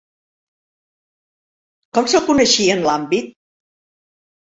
Com se'l coneixia en l'àmbit?